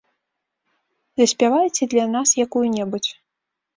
Заспявайце для нас якую-небудзь.